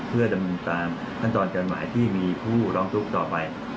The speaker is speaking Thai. เพื่อดำเนินตามขั้นตอนการหมายที่มีผู้ร้องทุกข์ต่อไป